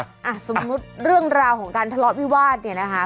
สมมุติเรื่องราวของการทะเลาะวิวาสเนี่ยนะคะ